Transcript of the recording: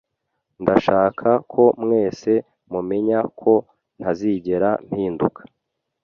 Ndashaka ko mwese mumenya ko ntazigera mpinduka